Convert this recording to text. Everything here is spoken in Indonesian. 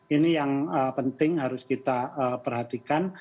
ini yang penting harus kita perhatikan